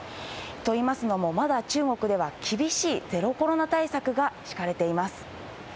といいますのも、まだ中国では厳しいゼロコロナ対策が敷かれています。